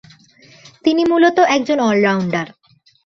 তিনি মূলতঃ একজন অল-রাউন্ডার।